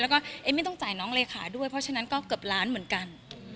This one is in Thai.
แล้วก็เอมมี่ต้องจ่ายน้องเลขาด้วยเพราะฉะนั้นก็เกือบล้านเหมือนกัน